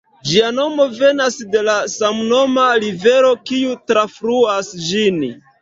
Ĝia nomo venas de la samnoma rivero, kiu trafluas ĝin.